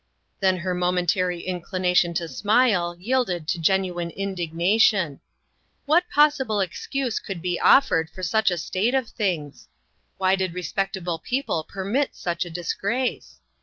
Then her momentary inclination to smile yielded to genuine indignation. What pos sible excuse could be offered for such a state of things? Why did respectable peo ple permit such a disgrace?